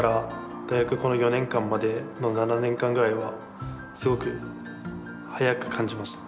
この４年間までの７年間ぐらいはすごく早く感じました。